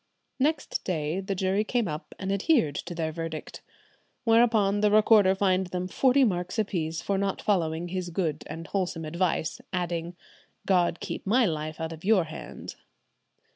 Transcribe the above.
Next day the jury came up, and adhered to their verdict. Whereupon the recorder fined them forty marks apiece for not following his "good and wholesome advice," adding, "God keep my life out of your hands."